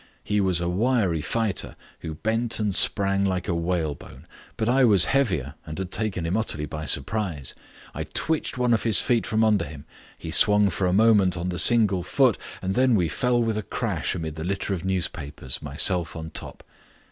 He was a wiry fighter, who bent and sprang like a whalebone, but I was heavier and had taken him utterly by surprise. I twitched one of his feet from under him; he swung for a moment on the single foot, and then we fell with a crash amid the litter of newspapers, myself on top.